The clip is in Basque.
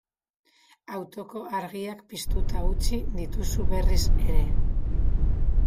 Autoko argiak piztuta utzi dituzu berriz ere.